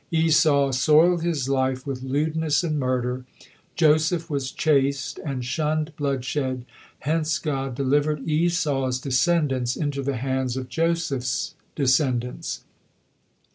Esau soiled his life with lewdness and murder; Joseph was chaste and shunned bloodshed, hence God delivered Esau's descendants into the hands of Joseph's descendants.